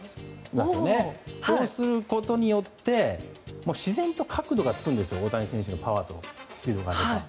そうすることによって自然と角度がつくんです大谷選手のパワーとスピードがあれば。